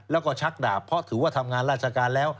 แล้วก็ชักดาบเพราะถือว่าทำงานราชการแล้ว